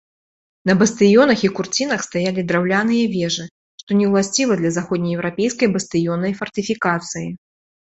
На бастыёнах і курцінах стаялі драўляныя вежы, што не ўласціва для заходне-еўрапейскай бастыённай фартыфікацыі.